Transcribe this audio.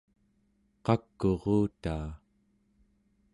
qak'urutaa